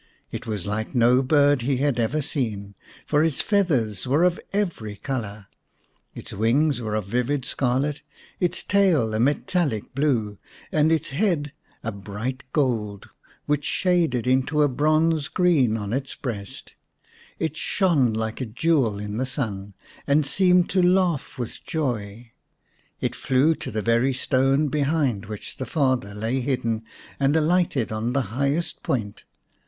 It was like no bird he had ever seen, for its feathers were of every colour ; its wings were of vivid scarlet, its tail a metallic blue, and its head a bright gold, which shaded into a bronze green on its breast. It shone like a jewel in the sun, and seemed to laugh with joy. It flew to the very stone behind which the father lay hidden, and alighted on the highest point.